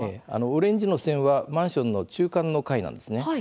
オレンジの線はマンションの中間の階なんですね。